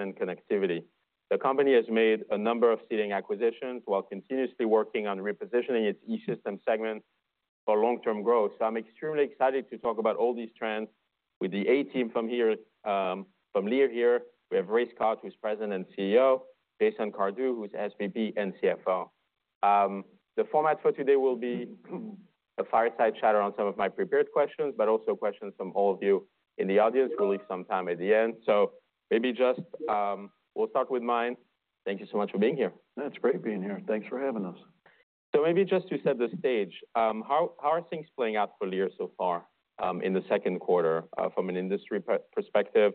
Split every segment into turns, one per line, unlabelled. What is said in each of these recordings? And connectivity. The company has made a number of seating acquisitions while continuously working on repositioning its E-Systems segment for long-term growth. So I'm extremely excited to talk about all these trends with the A-team from here, from Lear here. We have Ray Scott, who's President and CEO, Jason Cardew, who's SVP and CFO. The format for today will be a fireside chat around some of my prepared questions, but also questions from all of you in the audience. We'll leave some time at the end. So maybe just, we'll start with mine. Thank you so much for being here.
It's great being here. Thanks for having us.
So maybe just to set the stage, how are things playing out for Lear so far in the second quarter? From an industry perspective,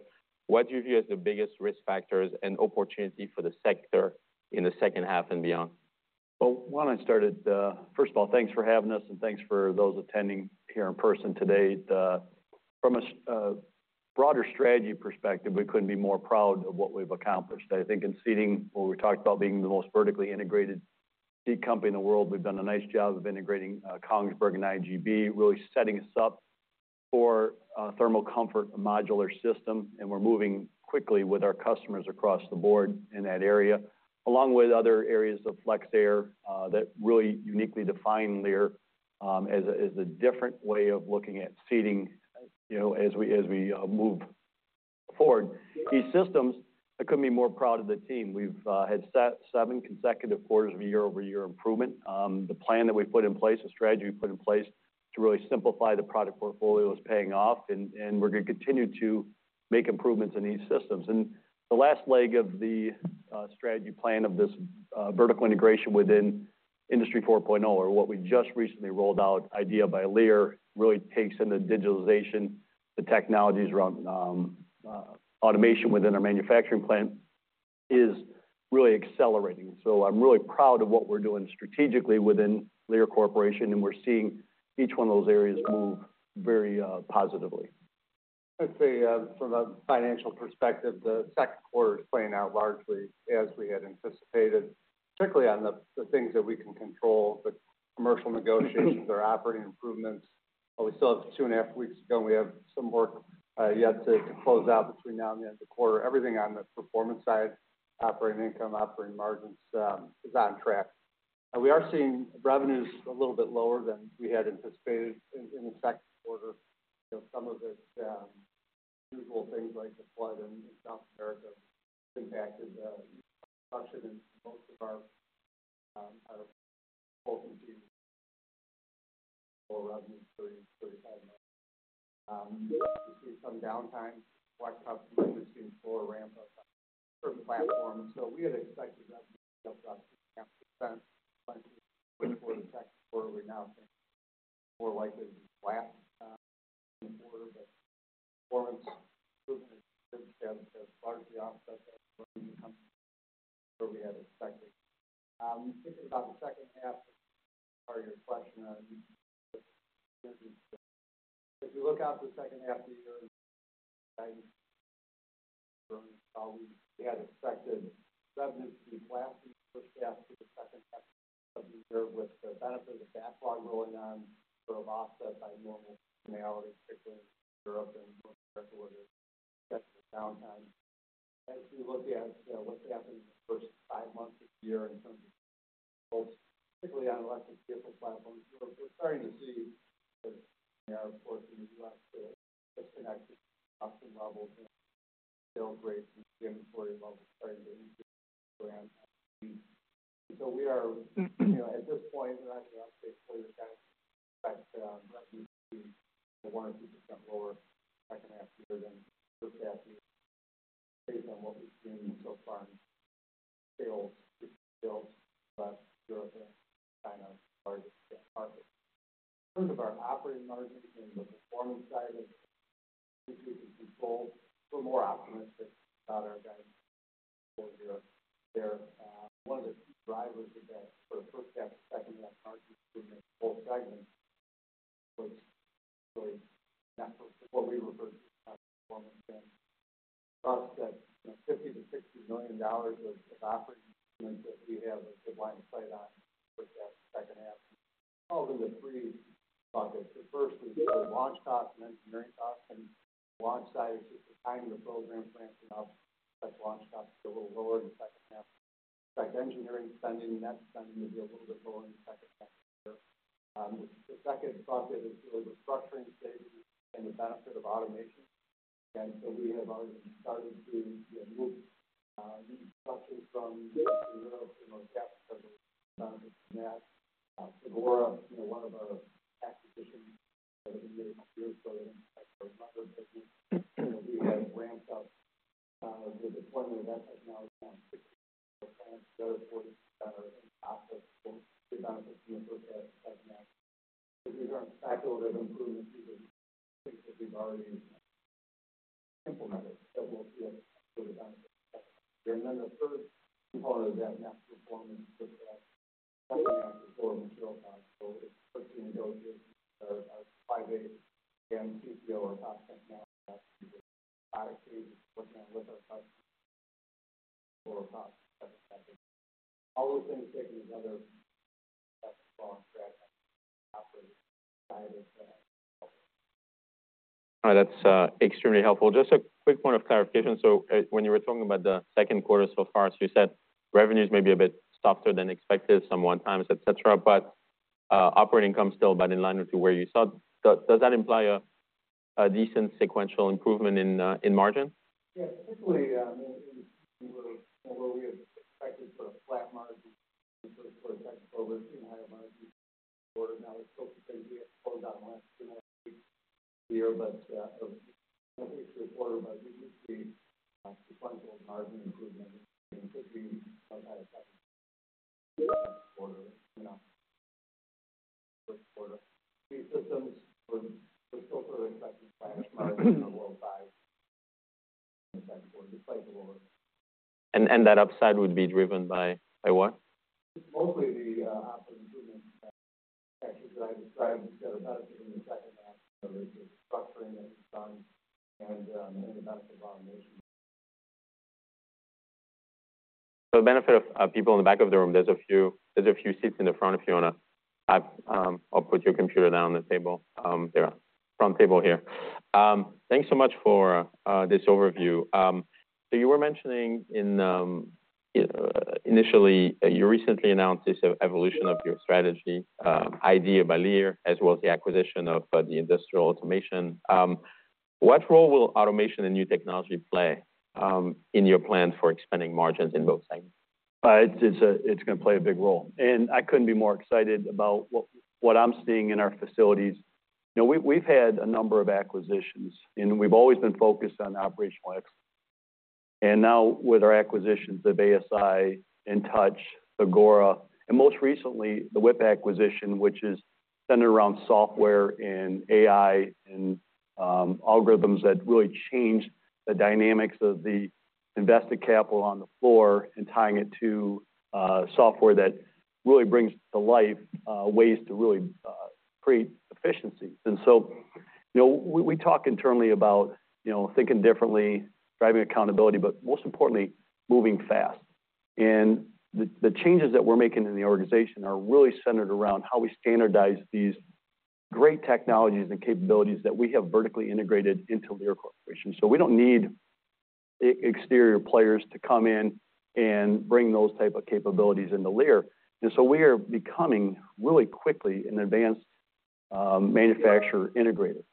what do you view as the biggest risk factors and opportunity for the sector in the second half and beyond?
Well, why don't I start it? First of all, thanks for having us, and thanks for those attending here in person today. From a broader strategy perspective, we couldn't be more proud of what we've accomplished. I think in Seating, where we talked about being the most vertically integrated seat company in the world, we've done a nice job of integrating Kongsberg and IGB, really setting us up for a thermal comfort modular system, and we're moving quickly with our customers across the board in that area, along with other areas of FlexAir that really uniquely define Lear as a different way of looking at seating, you know, as we move forward. E-Systems, I couldn't be more proud of the team. We've had seven consecutive quarters of a year-over-year improvement. The plan that we put in place, the strategy we put in place to really simplify the product portfolio is paying off, and, and we're gonna continue to make improvements in E-Systems. The last leg of the strategy plan of this vertical integration within Industry 4.0, or what we just recently rolled out, IDEA by Lear, really takes in the digitalization, the technologies around automation within our manufacturing plant, is really accelerating. So I'm really proud of what we're doing strategically within Lear Corporation, and we're seeing each one of those areas move very positively.
I'd say, from a financial perspective, the second quarter is playing out largely as we had anticipated, particularly on the things that we can control. The commercial negotiations or operating improvements, but we still have 2.5 weeks to go. We have some work, yet to close out between now and the end of the quarter. Everything on the performance side, operating income, operating margins, is on track. We are seeing revenues a little bit lower than we had anticipated in the second quarter. You know, some of it, usual things like the flood in South America impacted production in most of our out of revenue, 30-35. We see some downtime, watch how much in floor ramp up certain platforms. We had expected that to be up about 50%, but for the second quarter, we now think more likely to be flat quarter, but performance improvement is largely offset where we had expected. Thinking about the second half of your question, if you look out the second half of the year, we had expected revenues to be flat for the second half of the year, with the benefit of the backlog going on, sort of offset by normal seasonality, particularly in Europe and North America, where there's downtime. As we look at what's happening in the first five months of the year in terms of particularly on electric vehicle platforms, we're starting to see the airports in the U.S. to connect to levels and still great inventory levels. So we are, you know, at this point in time, I'd say probably the kind of 1%-2% lower second half year than what we've seen so far in sales, but Europe and China, large markets. In terms of our operating margins and the performance side of control, we're more optimistic about our guys here. One of the key drivers of that for first half, second half margin in the whole segment was actually what we refer to as performance, and about that $50 million-$60 million of operating that we have a good line of sight on second half. All in the three buckets. The first is the launch cost and engineering costs, and launch size at the time the program ramps up, that launch cost is a little lower in the second half. Like engineering spending, that spending will be a little bit lower in the second half of the year. The second bucket is the restructuring savings and the benefit of automation. And so we have already started to move from Europe, North Africa, Segura, you know, one of our acquisitions that we made last year. So we have ramped up the deployment of that technology, plants that are in process for the benefit of the segment. These are cycle improvement that we've already implemented, that we'll see the benefit. And then the third component of that performance with the material costs. So it's putting in place a five-day MQO process, working with our customers. All those things taken together operating side is- ...
All right, that's extremely helpful. Just a quick point of clarification. So when you were talking about the second quarter so far, so you said revenues may be a bit softer than expected, some one times, et cetera, but operating income still about in line with where you thought. Does that imply a decent sequential improvement in margin?
Yeah, typically, we were where we had expected sort of flat margin for the next quarter, higher margin quarter. Now, it's supposed to be a slow down last year, but quarter by sequential margin improvement, should be higher quarter, you know, first quarter. The systems would still sort of expected by margin worldwide, despite the lower-
That upside would be driven by what?
Mostly the improvement actions that I described in the second half of structuring that done and the benefit of automation.
For the benefit of people in the back of the room, there's a few seats in the front if you want to have or put your computer down on the table, there, front table here. Thanks so much for this overview. So you were mentioning initially, you recently announced this evolution of your strategy, IDEA by Lear, as well as the acquisition of the industrial automation. What role will automation and new technology play in your plan for expanding margins in both segments?
It's going to play a big role, and I couldn't be more excited about what I'm seeing in our facilities. You know, we've had a number of acquisitions, and we've always been focused on operational excellence. And now with our acquisitions of ASI, InTouch, Thagora, and most recently, the WIP acquisition, which is centered around software and AI and algorithms that really change the dynamics of the invested capital on the floor and tying it to software that really brings to life ways to really create efficiencies. And so, you know, we talk internally about, you know, thinking differently, driving accountability, but most importantly, moving fast. And the changes that we're making in the organization are really centered around how we standardize these great technologies and capabilities that we have vertically integrated into Lear Corporation. So we don't need external players to come in and bring those type of capabilities into Lear. And so we are becoming really quickly an advanced manufacturer integrator.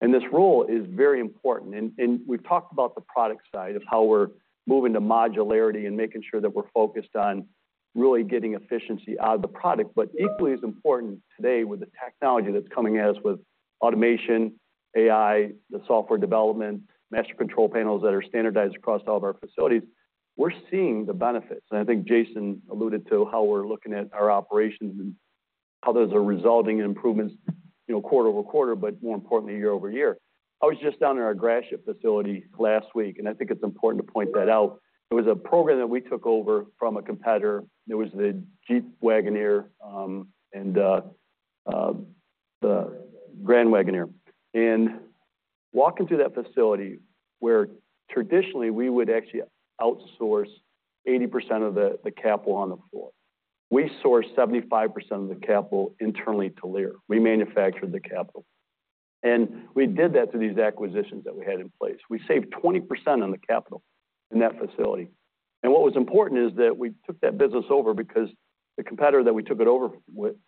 And this role is very important. And we've talked about the product side of how we're moving to modularity and making sure that we're focused on really getting efficiency out of the product. But equally as important today with the technology that's coming at us with automation, AI, the software development, master control panels that are standardized across all of our facilities, we're seeing the benefits. And I think Jason alluded to how we're looking at our operations and how those are resulting in improvements, you know, quarter-over-quarter, but more importantly, year over year. I was just down in our Gratiot facility last week, and I think it's important to point that out. It was a program that we took over from a competitor. It was the Jeep Wagoneer and the Grand Wagoneer. Walking through that facility, where traditionally we would actually outsource 80% of the capital on the floor, we sourced 75% of the capital internally to Lear. We manufactured the capital. And we did that through these acquisitions that we had in place. We saved 20% on the capital in that facility. And what was important is that we took that business over because the competitor that we took it over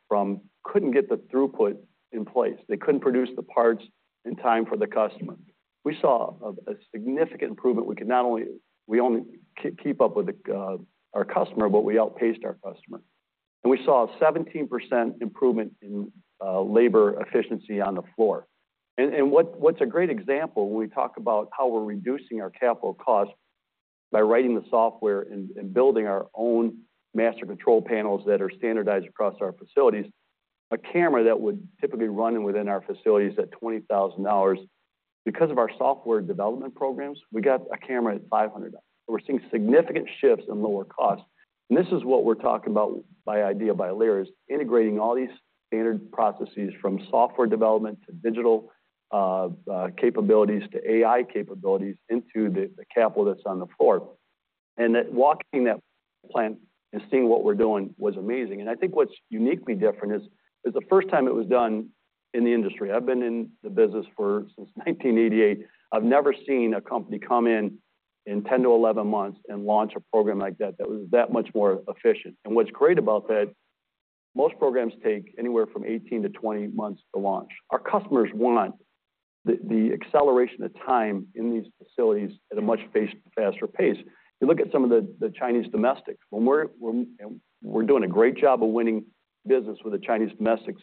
from couldn't get the throughput in place. They couldn't produce the parts in time for the customer. We saw a significant improvement. We could not only keep up with our customer, but we outpaced our customer. We saw a 17% improvement in labor efficiency on the floor. And what's a great example, when we talk about how we're reducing our capital costs by writing the software and building our own master control panels that are standardized across our facilities, a camera that would typically run within our facilities at $20,000. Because of our software development programs, we got a camera at $500. We're seeing significant shifts in lower costs, and this is what we're talking about by IDEA by Lear, is integrating all these standard processes, from software development, to digital capabilities, to AI capabilities, into the capital that's on the floor. And that walking that plant and seeing what we're doing was amazing. And I think what's uniquely different is, it's the first time it was done in the industry. I've been in the business for, since 1988. I've never seen a company come in in 10-11 months and launch a program like that, that was that much more efficient. And what's great about that, most programs take anywhere from 18-20 months to launch. Our customers want the acceleration of time in these facilities at a much faster pace. You look at some of the Chinese domestics. When we're doing a great job of winning business with the Chinese domestics,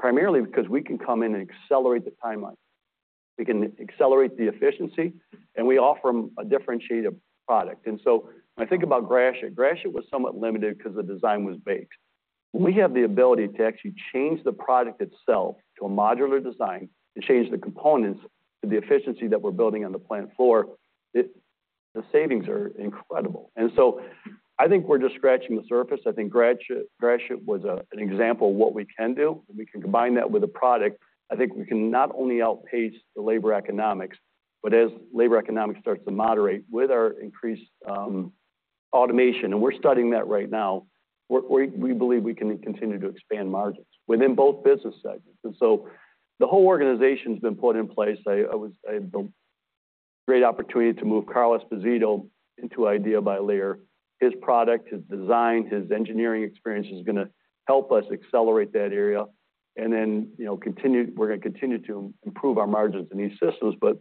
primarily because we can come in and accelerate the timeline. We can accelerate the efficiency, and we offer them a differentiated product. And so when I think about Gratiot, Gratiot was somewhat limited because the design was baked. When we have the ability to actually change the product itself to a modular design and change the components to the efficiency that we're building on the plant floor, the savings are incredible. So I think we're just scratching the surface. I think Gratiot was an example of what we can do. If we can combine that with a product, I think we can not only outpace the labor economics, but as labor economics starts to moderate with our increased automation, and we're studying that right now, we believe we can continue to expand margins within both business segments. So the whole organization's been put in place. I had the great opportunity to move Carl Esposito into Idea by Lear. His product, his design, his engineering experience is gonna help us accelerate that area, and then, you know, continue. We're gonna continue to improve our margins in these systems. But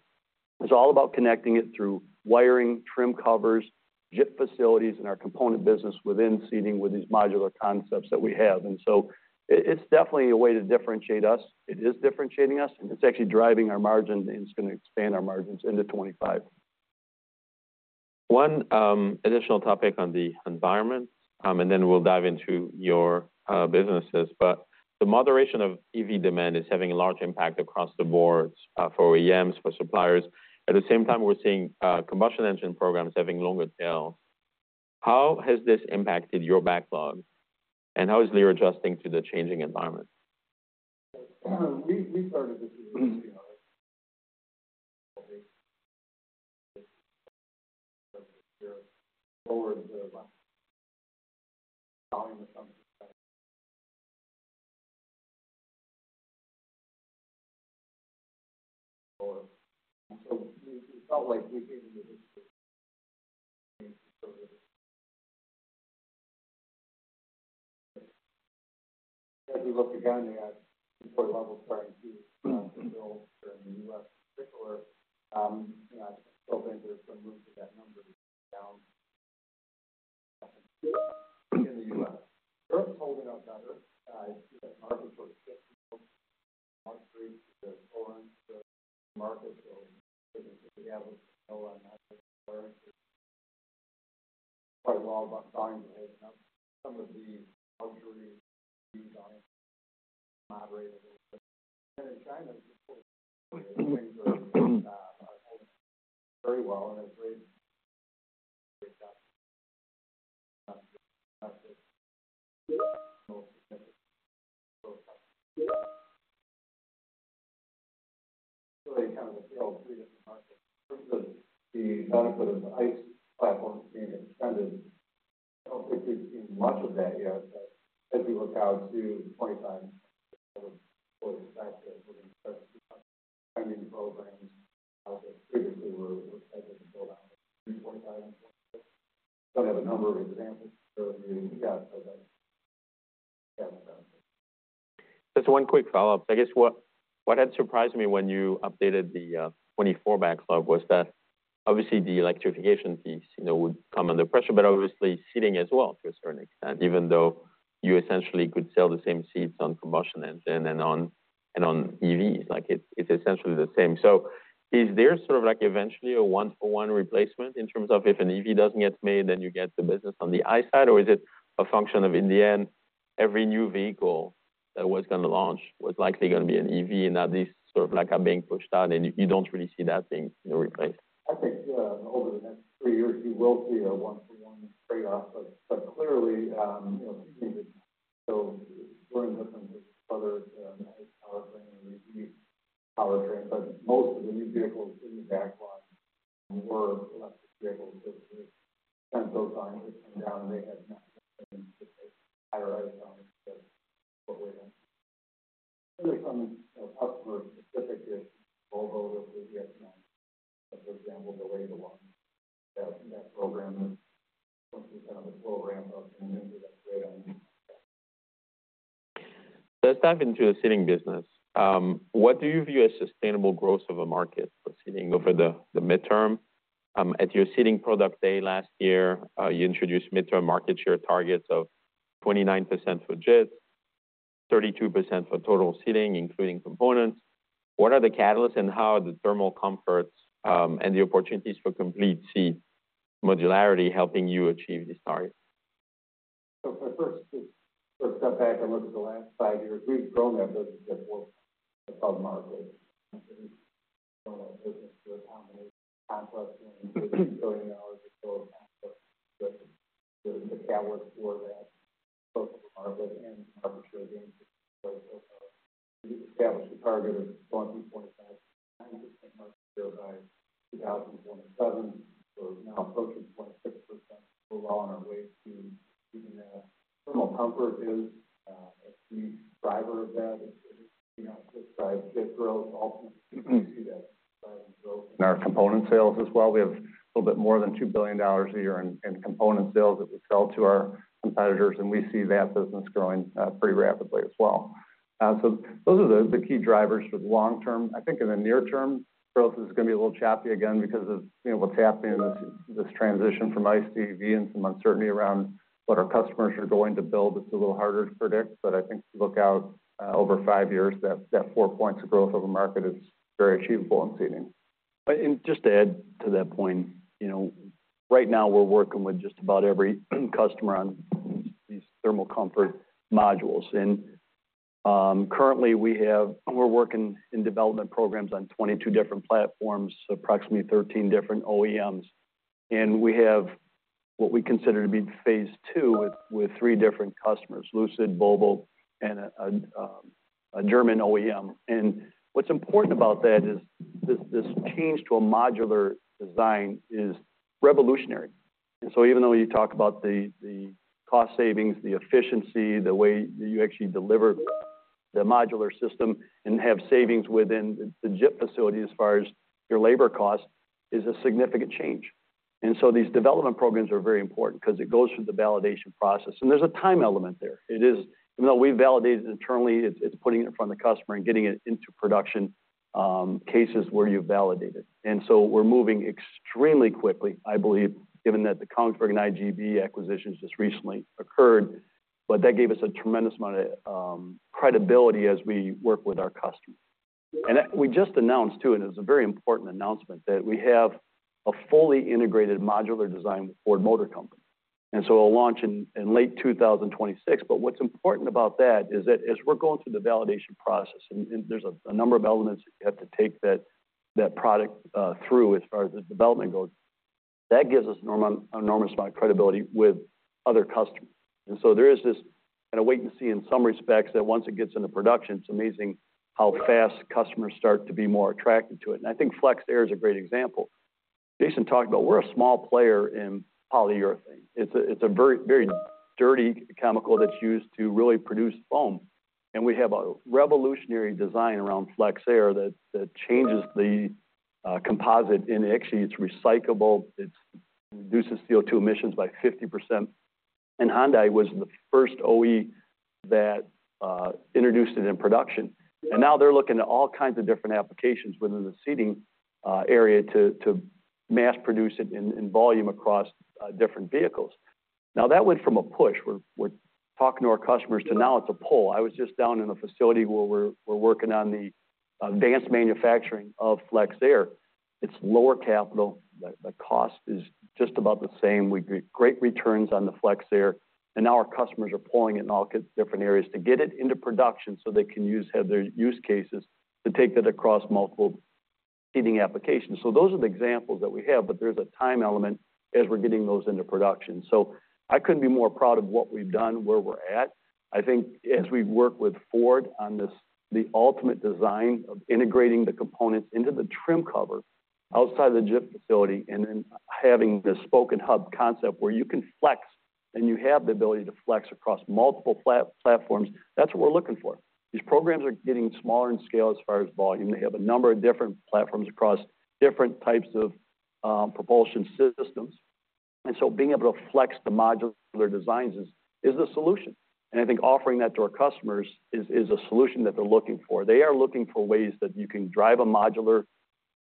it's all about connecting it through wiring, trim covers, JIT facilities in our component business within seating with these modular concepts that we have. And so it's definitely a way to differentiate us. It is differentiating us, and it's actually driving our margin, and it's gonna expand our margins into 25.
One additional topic on the environment, and then we'll dive into your businesses. But the moderation of EV demand is having a large impact across the board, for OEMs, for suppliers. At the same time, we're seeing combustion engine programs having longer tail. How has this impacted your backlog, and how is Lear adjusting to the changing environment?
We started this, you know, lower than, as we look again at support levels starting to build in the U.S. in particular. You know, I still think there's some room for that number to go down in the U.S. Europe's holding up better. You know, market for the sixth quarter, the European market we're on track quite well about signing some of the luxury demand moderated. And in China, very well, and I believe the benefit of the ICE platform being extended. I don't think we've seen much of that yet, but as we look out to 25, I would expect that we're going to start seeing these programs that previously were expected to build out 25. So we have a number of examples early in the year.
Just one quick follow-up. I guess what had surprised me when you updated the 2024 backlog was that obviously the electrification piece, you know, would come under pressure, but obviously, seating as well to a certain extent, even though you essentially could sell the same seats on combustion engine and on, and on EVs, like, it's essentially the same. So is there sort of like eventually a one-for-one replacement in terms of if an EV doesn't get made, then you get the business on the I side? Or is it a function of, in the end, every new vehicle that was gonna launch was likely gonna be an EV, and now these sort of, like, are being pushed out, and you don't really see that being replaced?
I think over the next three years, you will see a one-for-one trade-off. But clearly, you know, so learning different other power train, unique power train, but most of the new vehicles in the backlog were electric vehicles. So since those lines have come down, they have not been prioritized on what we're doing. Really, from a customer specific is Volvo, for example, the way to one, that program is simply kind of a program of that.
Let's dive into the seating business. What do you view as sustainable growth of a market for seating over the midterm? At your seating product day last year, you introduced midterm market share targets of 29% for JIT, 32% for total seating, including components. What are the catalysts, and how are the thermal comforts, and the opportunities for complete seat modularity helping you achieve this target?
So first, just step back and look at the last five years, we've grown that business at 4% above market, the catalyst for that, both the market and market share. We established a target of 24%-25% market share by 2027. We're now approaching 26%. We're well on our way to meeting that. Thermal comfort is a key driver of that. It's, you know, just by growth, also, you can see that growth in our component sales as well. We have a little bit more than $2 billion a year in component sales that we sell to our competitors, and we see that business growing pretty rapidly as well. So those are the key drivers for the long term. I think in the near term, growth is gonna be a little choppy again because of, you know, what's happening in this transition from ICE to EV and some uncertainty around what our customers are going to build. It's a little harder to predict, but I think look out over five years, that four points of growth of a market is very achievable in seating.
And just to add to that point, you know, right now we're working with just about every customer on these thermal comfort modules. Currently, we're working in development programs on 22 different platforms, approximately 13 different OEMs, and we have what we consider to be phase two with three different customers, Lucid, Volvo, and a German OEM. What's important about that is this, this change to a modular design is revolutionary. So even though you talk about the cost savings, the efficiency, the way that you actually deliver the modular system and have savings within the JIT facility as far as your labor cost, is a significant change. So these development programs are very important because it goes through the validation process, and there's a time element there. It is even though we validated internally, it's putting it in front of the customer and getting it into production, cases where you validate it. And so we're moving extremely quickly, I believe, given that the Kongsberg and IGB acquisitions just recently occurred, but that gave us a tremendous amount of credibility as we work with our customers. And we just announced, too, and it's a very important announcement, that we have a fully integrated modular design with Ford Motor Company, and so it'll launch in late 2026. But what's important about that is that as we're going through the validation process, and there's a number of elements you have to take that product through as far as the development goes, that gives us an enormous amount of credibility with other customers. So there is this kind of wait and see in some respects, that once it gets into production, it's amazing how fast customers start to be more attracted to it. And I think FlexAir is a great example. Jason talked about we're a small player in polyurethane. It's a very, very dirty chemical that's used to really produce foam, and we have a revolutionary design around FlexAir that changes the composite, and actually, it's recyclable. It reduces CO2 emissions by 50%. And Hyundai was the first OEM that introduced it in production, and now they're looking at all kinds of different applications within the seating area to mass produce it in volume across different vehicles. Now, that went from a push. We're talking to our customers, to now it's a pull. I was just down in a facility where we're working on the advanced manufacturing of FlexAir. It's lower capital. The cost is just about the same. We get great returns on the FlexAir, and now our customers are pulling it in all different areas to get it into production so they can use, have their use cases to take that across multiple seating applications. So those are the examples that we have, but there's a time element as we're getting those into production. So I couldn't be more proud of what we've done, where we're at. I think as we work with Ford on this, the ultimate design of integrating the components into the trim cover outside the JIT facility, and then having this spoken hub concept where you can flex and you have the ability to flex across multiple platforms, that's what we're looking for. These programs are getting smaller in scale as far as volume. They have a number of different platforms across different types of propulsion systems, and so being able to flex the modular designs is a solution. And I think offering that to our customers is a solution that they're looking for. They are looking for ways that you can drive a modular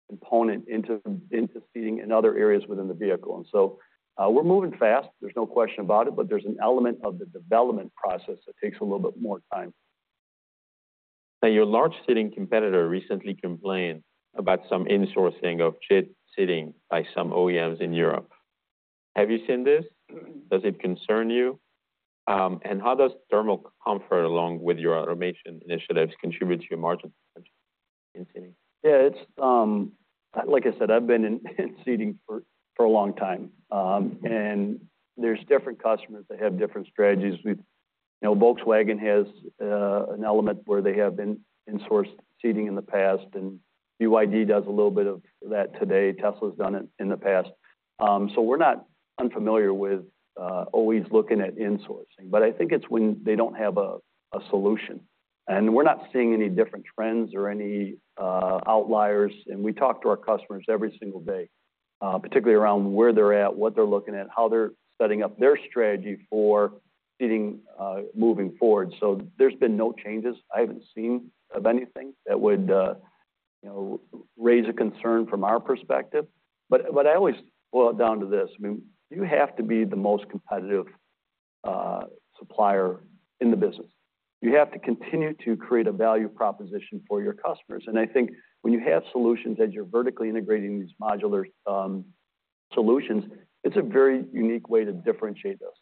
component into seating in other areas within the vehicle. And so, we're moving fast, there's no question about it, but there's an element of the development process that takes a little bit more time.
Now, your large seating competitor recently complained about some insourcing of JIT seating by some OEMs in Europe. Have you seen this? Does it concern you? And how does thermal comfort, along with your automation initiatives, contribute to your margin in seating?
Yeah, it's, like I said, I've been in seating for a long time, and there's different customers that have different strategies. We, you know, Volkswagen has an element where they have insourced seating in the past, and BYD does a little bit of that today. Tesla's done it in the past. So we're not unfamiliar with always looking at insourcing, but I think it's when they don't have a solution. And we're not seeing any different trends or any outliers, and we talk to our customers every single day, particularly around where they're at, what they're looking at, how they're setting up their strategy for seating, moving forward. So there's been no changes. I haven't seen of anything that would, you know, raise a concern from our perspective. But, but I always boil it down to this: I mean, you have to be the most competitive supplier in the business. You have to continue to create a value proposition for your customers. And I think when you have solutions, as you're vertically integrating these modular solutions, it's a very unique way to differentiate us.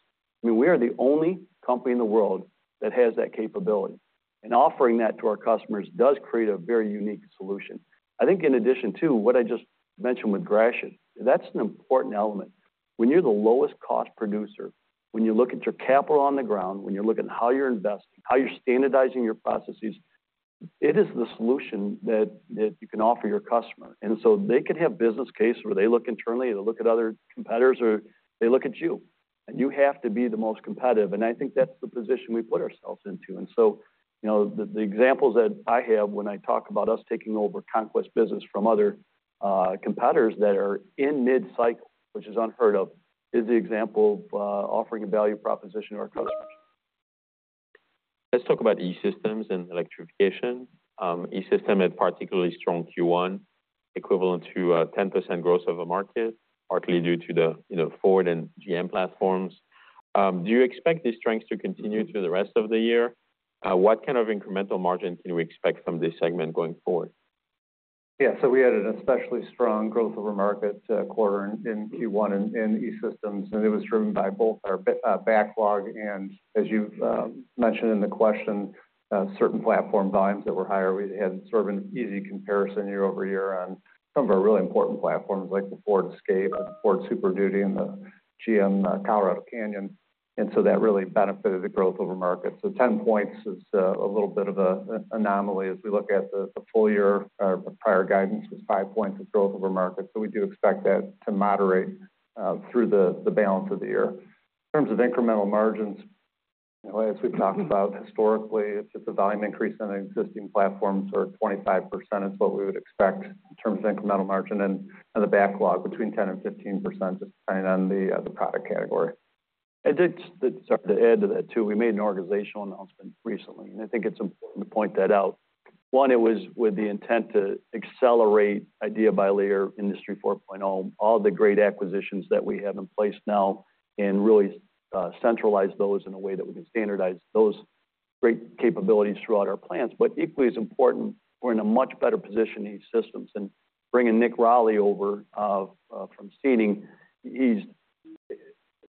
I mean, we are the only company in the world that has that capability, and offering that to our customers does create a very unique solution. I think in addition to what I just mentioned with Gratiot, that's an important element. When you're the lowest cost producer, when you look at your capital on the ground, when you're looking at how you're investing, how you're standardizing your processes, it is the solution that you can offer your customer. And so they can have business case where they look internally, or they look at other competitors, or they look at you, and you have to be the most competitive, and I think that's the position we've put ourselves into. And so, you know, the examples that I have when I talk about us taking over conquest business from other competitors that are in mid-cycle, which is unheard of, is the example of offering a value proposition to our customers.
Let's talk about E-Systems and electrification. E-Systems had particularly strong Q1, equivalent to 10% growth over market, partly due to the, you know, Ford and GM platforms. Do you expect these strengths to continue through the rest of the year? What kind of incremental margin can we expect from this segment going forward?
Yeah, so we had an especially strong growth over market quarter in Q1 in E-Systems, and it was driven by both our backlog, and as you've mentioned in the question, certain platform volumes that were higher. We had sort of an easy comparison year-over-year on some of our really important platforms like the Ford Escape and Ford Super Duty and the GM Colorado Canyon, and so that really benefited the growth over market. So 10 points is a little bit of an anomaly as we look at the full year. Our prior guidance was five points of growth over market, so we do expect that to moderate through the balance of the year. In terms of incremental margins, As we've talked about historically, if it's a volume increase in an existing platform, sort of 25% is what we would expect in terms of incremental margin, and the backlog between 10% and 15%, depending on the product category.
To add to that, too, we made an organizational announcement recently, and I think it's important to point that out. One, it was with the intent to accelerate IDEA by Lear, Industry 4.0, all the great acquisitions that we have in place now, and really centralize those in a way that we can standardize those great capabilities throughout our plants. But equally as important, we're in a much better position in E-Systems. And bringing Nick Roelli over from Seating, he's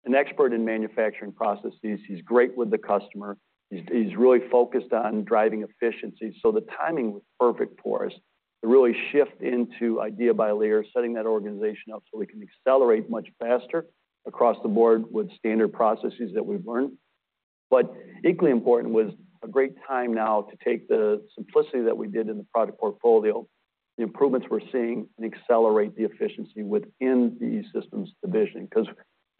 an expert in manufacturing processes. He's great with the customer. He's really focused on driving efficiency. So the timing was perfect for us to really shift into IDEA by Lear, setting that organization up so we can accelerate much faster across the board with standard processes that we've learned. But equally important was a great time now to take the simplicity that we did in the product portfolio, the improvements we're seeing, and accelerate the efficiency within the E-Systems division, 'cause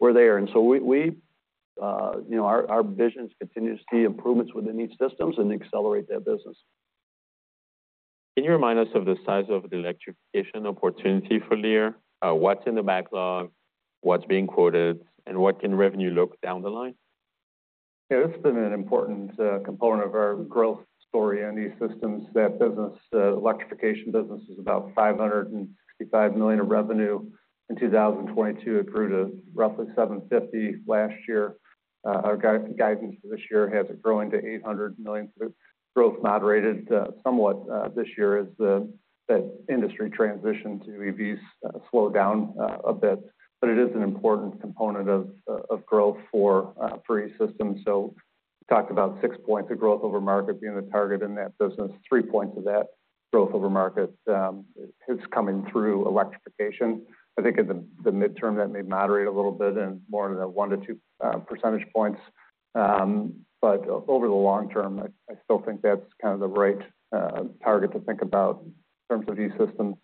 we're there. And so you know, our vision is to continue to see improvements within E-Systems and accelerate that business.
Can you remind us of the size of the electrification opportunity for Lear? What's in the backlog, what's being quoted, and what can revenue look down the line?
Yeah, it's been an important component of our growth story in E-Systems. That business, electrification business is about $565 million of revenue. In 2022, it grew to roughly $750 million last year. Our guidance for this year has it growing to $800 million. Growth moderated somewhat this year as that industry transition to EVs slowed down a bit. But it is an important component of growth for E-Systems. So we talked about 6 points of growth over market being the target in that business. three points of that growth over market is coming through electrification. I think in the midterm, that may moderate a little bit and more in the one-two percentage points. But over the long term, I, I still think that's kind of the right target to think about in terms of E-Systems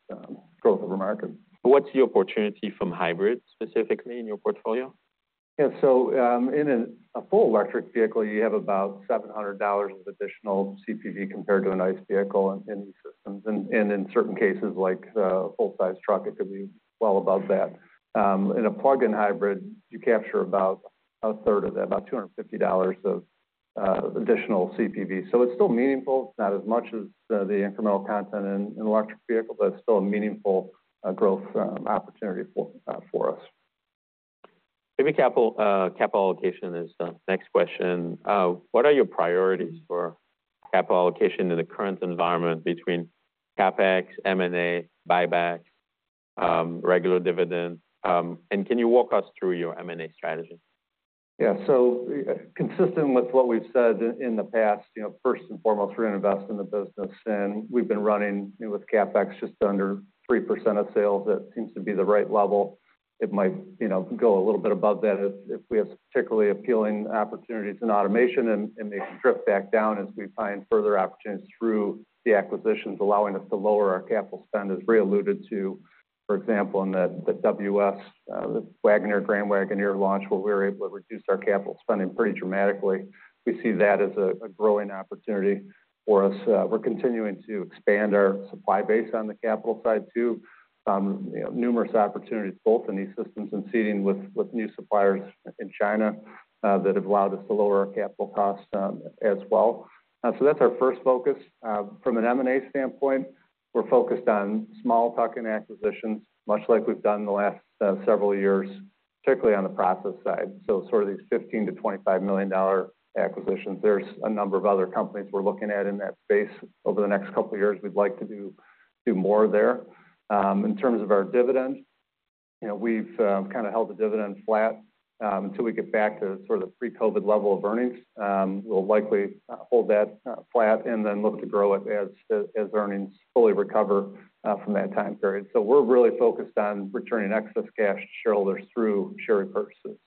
growth over market.
What's the opportunity from hybrids, specifically in your portfolio?
Yeah. So, in a full electric vehicle, you have about $700 of additional CPV compared to an ICE vehicle in E-Systems. And in certain cases, like a full-size truck, it could be well above that. In a plug-in hybrid, you capture about a third of that, about $250 of additional CPV. So it's still meaningful. It's not as much as the incremental content in an electric vehicle, but it's still a meaningful growth opportunity for us.
Maybe capital allocation is the next question. What are your priorities for capital allocation in the current environment between CapEx, M&A, buybacks, regular dividends? And can you walk us through your M&A strategy?
Yeah. So consistent with what we've said in the past, you know, first and foremost, we're going to invest in the business, and we've been running with CapEx just under 3% of sales. That seems to be the right level. It might, you know, go a little bit above that if we have particularly appealing opportunities in automation, and may drift back down as we find further opportunities through the acquisitions, allowing us to lower our capital spend, as Ray alluded to, for example, in the Wagoneer, Grand Wagoneer launch, where we were able to reduce our capital spending pretty dramatically. We see that as a growing opportunity for us. We're continuing to expand our supply base on the capital side, too. Numerous opportunities, both in E-Systems and Seating, with, with new suppliers in China, that have allowed us to lower our capital costs, as well. So that's our first focus. From an M&A standpoint, we're focused on small tuck-in acquisitions, much like we've done in the last, several years, particularly on the process side. So sort of these $15 million-$25 million acquisitions. There's a number of other companies we're looking at in that space. Over the next couple of years, we'd like to do, do more there. In terms of our dividend, you know, we've, kind of held the dividend flat, until we get back to sort of pre-COVID level of earnings. We'll likely, hold that, flat and then look to grow it as, as earnings fully recover, from that time period. So we're really focused on returning excess cash to shareholders through share repurchases.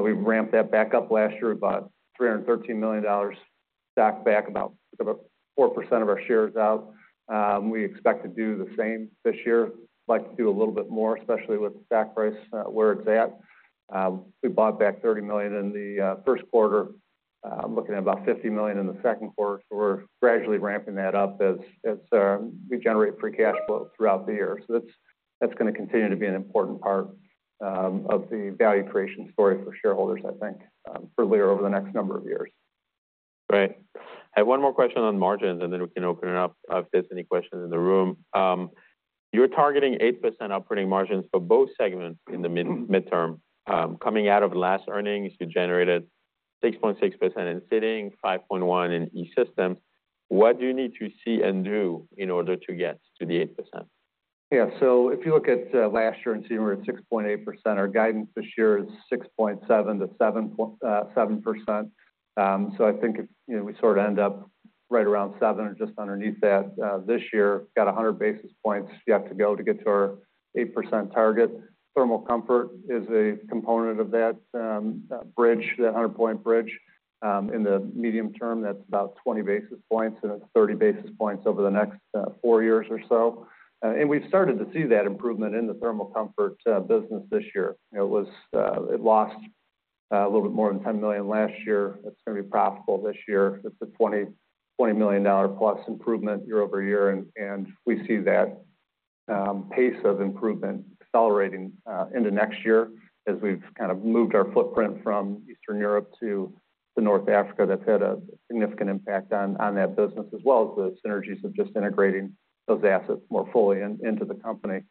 We've ramped that back up last year, about $313 million, bought back about 4% of our shares out. We expect to do the same this year. Like to do a little bit more, especially with the stock price where it's at. We bought back $30 million in the first quarter, looking at about $50 million in the second quarter. So we're gradually ramping that up as we generate free cash flow throughout the year. So that's going to continue to be an important part of the value creation story for shareholders, I think, for Lear over the next number of years.
Great. I have one more question on margins, and then we can open it up if there's any questions in the room. You're targeting 8% operating margins for both segments in the mid-term. Coming out of last earnings, you generated 6.6% in Seating, 5.1% in E-Systems. What do you need to see and do in order to get to the 8%?
Yeah, so if you look at, last year and see we're at 6.8%, our guidance this year is 6.7%-7.7%. So I think if, you know, we sort of end up right around 7% or just underneath that, this year, got 100 basis points yet to go to get to our 8% target. Thermal comfort is a component of that, bridge, that 100-point bridge. In the medium term, that's about 20 basis points, and it's 30 basis points over the next, four years or so. And we've started to see that improvement in the thermal comfort, business this year. It was, it lost-... a little bit more than $10 million last year. That's gonna be profitable this year. It's a $20 million-plus improvement year-over-year, and we see that pace of improvement accelerating into next year as we've kind of moved our footprint from Eastern Europe to North Africa. That's had a significant impact on that business, as well as the synergies of just integrating those assets more fully into the company.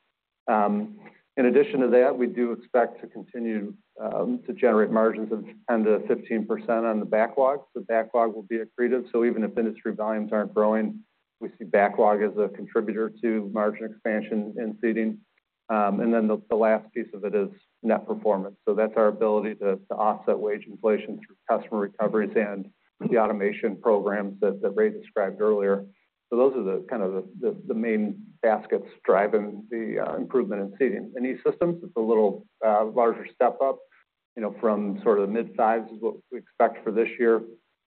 In addition to that, we do expect to continue to generate margins of 10%-15% on the backlog. The backlog will be accretive, so even if industry volumes aren't growing, we see backlog as a contributor to margin expansion in seating. And then the last piece of it is net performance. So that's our ability to offset wage inflation through customer recoveries and the automation programs that Ray described earlier. So those are the kind of the main baskets driving the improvement in seating. In E-Systems, it's a little larger step up, you know, from sort of the mid-size is what we expect for this year.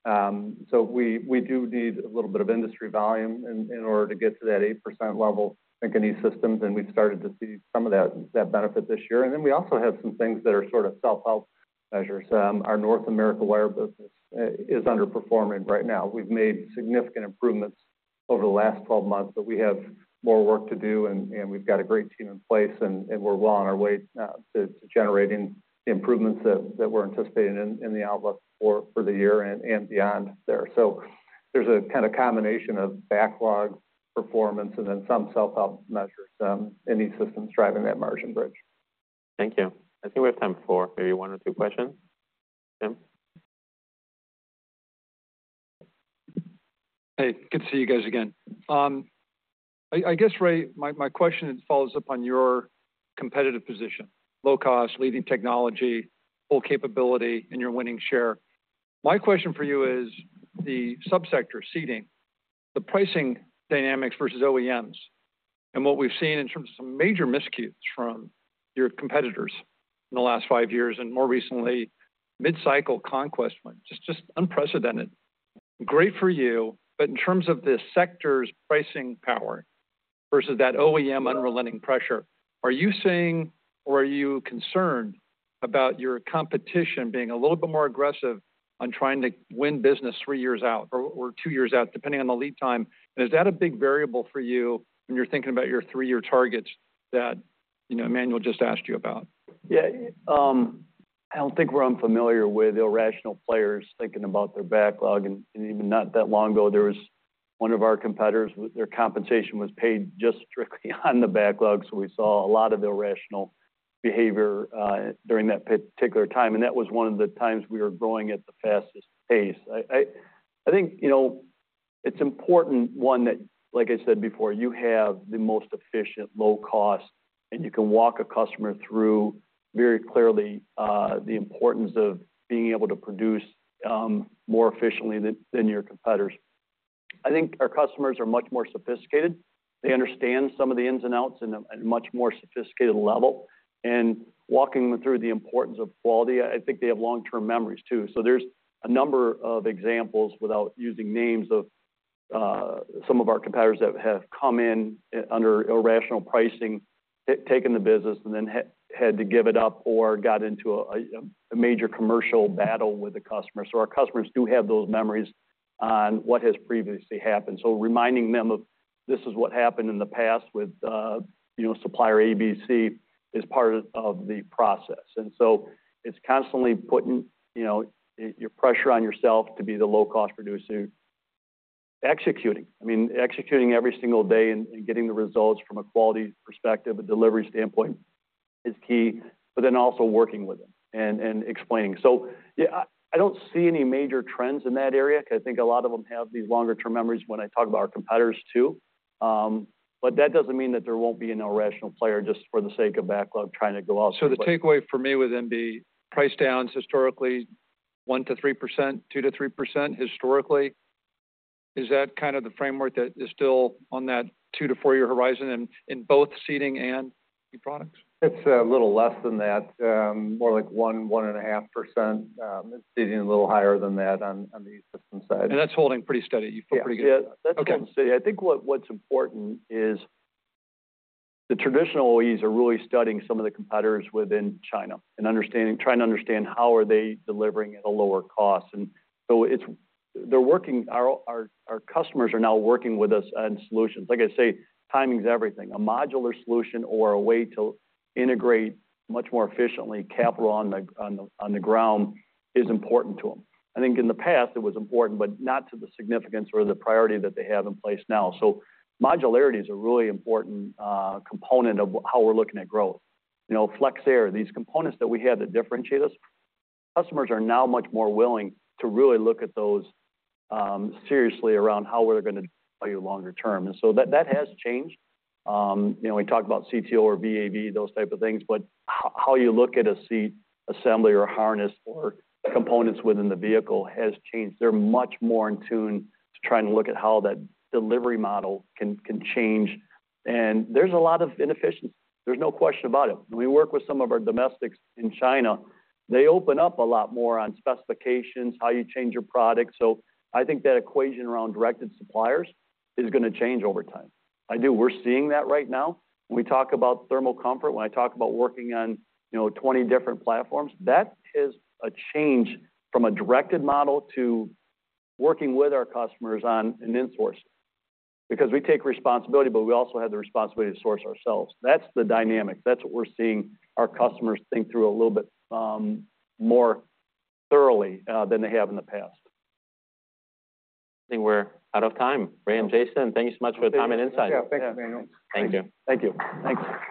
So we do need a little bit of industry volume in order to get to that 8% level in E-Systems, and we've started to see some of that benefit this year. And then we also have some things that are sort of self-help measures. Our North America wire business is underperforming right now. We've made significant improvements over the last 12 months, but we have more work to do, and we've got a great team in place, and we're well on our way to generating the improvements that we're anticipating in the outlook for the year and beyond there. So there's a kind of combination of backlog performance and then some self-help measures in E-Systems driving that margin bridge.
Thank you. I think we have time for maybe one or two questions. Jim?
Hey, good to see you guys again. I guess, Ray, my question follows up on your competitive position, low cost, leading technology, full capability, and your winning share. My question for you is, the subsector seating, the pricing dynamics versus OEMs, and what we've seen in terms of some major miscues from your competitors in the last 5 years, and more recently, mid-cycle conquest win, just unprecedented. Great for you, but in terms of the sector's pricing power versus that OEM unrelenting pressure, are you seeing or are you concerned about your competition being a little bit more aggressive on trying to win business three years out or two years out, depending on the lead time? And is that a big variable for you when you're thinking about your three-year targets that, you know, Emmanuel just asked you about?
Yeah, I don't think we're unfamiliar with irrational players thinking about their backlog, and even not that long ago, there was one of our competitors, their compensation was paid just strictly on the backlog. So we saw a lot of irrational behavior during that particular time, and that was one of the times we were growing at the fastest pace. I think, you know, it's important, one, that, like I said before, you have the most efficient low cost, and you can walk a customer through very clearly the importance of being able to produce more efficiently than your competitors. I think our customers are much more sophisticated. They understand some of the ins and outs in a much more sophisticated level, and walking them through the importance of quality, I think they have long-term memories, too. So there's a number of examples without using names of some of our competitors that have come in under irrational pricing, taken the business, and then had to give it up or got into a major commercial battle with the customer. So our customers do have those memories on what has previously happened. So reminding them of this is what happened in the past with, you know, supplier A, B, C, is part of the process. And so it's constantly putting, you know, pressure on yourself to be the low-cost producer. Executing, I mean, executing every single day and getting the results from a quality perspective, a delivery standpoint is key, but then also working with them and explaining. So, yeah, I, I don't see any major trends in that area because I think a lot of them have these longer-term memories when I talk about our competitors, too. But that doesn't mean that there won't be an irrational player just for the sake of backlog, trying to go off-
The takeaway for me would then be price downs, historically, 1%-3%, 2%-3%, historically. Is that kind of the framework that is still on that two- to four-year horizon in both seating and E-products?
It's a little less than that, more like 1%-1.5%, and seating a little higher than that on the E-Systems side.
That's holding pretty steady. You feel pretty good?
Yeah.
Okay.
That's pretty steady. I think what's important is the traditional OEs are really studying some of the competitors within China and trying to understand how are they delivering at a lower cost. They're working. Our customers are now working with us on solutions. Like I say, timing is everything. A modular solution or a way to integrate much more efficiently, capital on the ground is important to them. I think in the past, it was important, but not to the significance or the priority that they have in place now. So modularity is a really important component of how we're looking at growth. You know, FlexAir, these components that we have that differentiate us, customers are now much more willing to really look at those seriously around how we're gonna play longer term. And so that has changed. You know, we talk about CTO or VAV, those type of things, but how you look at a seat assembly or harness or components within the vehicle has changed. They're much more in tune to trying to look at how that delivery model can change, and there's a lot of inefficiency. There's no question about it. We work with some of our domestics in China. They open up a lot more on specifications, how you change your product. So I think that equation around directed suppliers is gonna change over time. I do. We're seeing that right now. When we talk about thermal comfort, when I talk about working on, you know, 20 different platforms, that is a change from a directed model to working with our customers on an insource. Because we take responsibility, but we also have the responsibility to source ourselves. That's the dynamic. That's what we're seeing our customers think through a little bit, more thoroughly, than they have in the past.
I think we're out of time. Ray and Jason, thank you so much for your time and insight.
Yeah, thanks, Emmanuel.
Thank you.
Thank you. Thanks.